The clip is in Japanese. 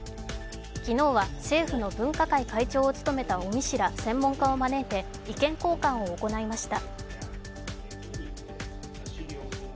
昨日は政府の分科会会長を務めた尾身氏ら専門家を招いて意見交換を行いました。